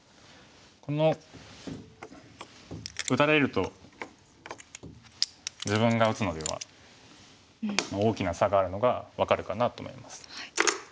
この打たれると自分が打つのでは大きな差があるのが分かるかなと思います。